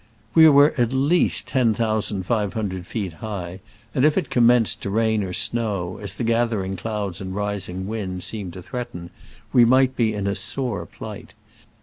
We were at least ten thousand five hundred feet high, and if it commenced to rain or snow, as the gathering clouds and rising wind seemed to threaten, we might be in a sore plight.